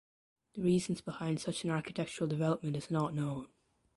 The reasons behind such an architectural development is not known.